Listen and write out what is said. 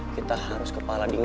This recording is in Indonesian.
kita harus kepala dingin